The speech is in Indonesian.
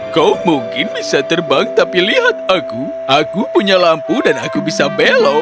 kau mungkin bisa terbang tapi lihat aku aku punya lampu dan aku bisa belok